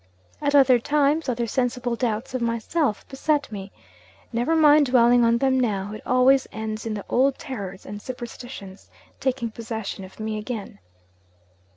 At other times, other sensible doubts of myself beset me. Never mind dwelling on them now it always ends in the old terrors and superstitions taking possession of me again.